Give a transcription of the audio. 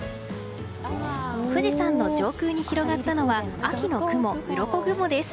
富士山の上空に広がったのは秋の雲、うろこ雲です。